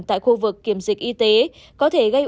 tại khu vực kiểm dịch y tế có thể gây